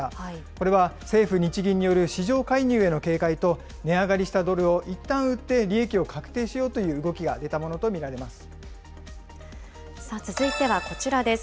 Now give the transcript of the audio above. これは政府・日銀による市場介入への警戒と、値上がりしたドルをいったん売って利益を確定しようという動きが続いてはこちらです。